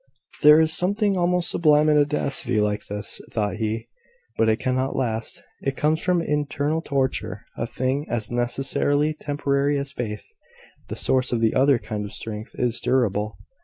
"There is something almost sublime in audacity like this," thought he. "But it cannot last. It comes from internal torture a thing as necessarily temporary as faith (the source of the other kind of strength) is durable.